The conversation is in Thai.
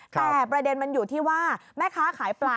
แต่ประเด็นมันอยู่ที่ว่าแม่ค้าขายปลา